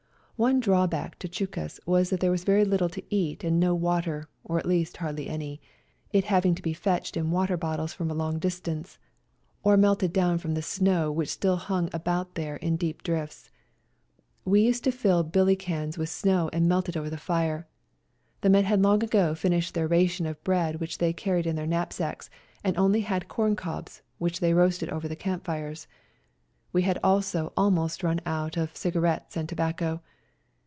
One drawback to Chukus was that there was very little to eat and no water, or at least hardly any, it having to be fetched in water bottles from a long dis tance, or melted down from the snow FIGHTING ON MOUNT CHUKUS 145 which still hung about there in deep drifts. We used to fill billy cans with snow and melt it over the fire. The men had long ago finished their ration of bread which they carried in their knapsacks and only had corn cobs, which they roasted over the camp fires ; we had also almost rim out of cigarettes and tobacco.